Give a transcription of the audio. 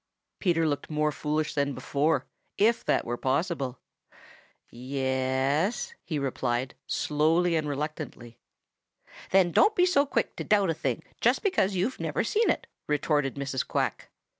Peter looked more foolish than before, if that were possible. "Y e s," he replied slowly and reluctantly. "Then don't be so quick to doubt a thing just because you've never seen it," retorted Mrs. Quack.